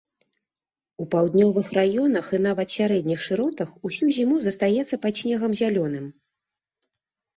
У паўднёвых раёнах і нават сярэдніх шыротах усю зіму застаецца пад снегам зялёным.